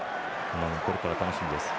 これから楽しみです。